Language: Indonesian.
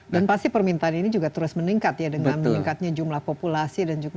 dan pasti permintaan ini juga terus meningkat ya dengan meningkatnya jumlah populasi